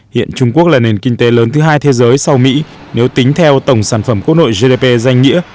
hiện trung quốc là nền kinh tế lớn thứ hai thế giới sau mỹ nếu tính theo tổng sản phẩm quốc nội gdp danh nghĩa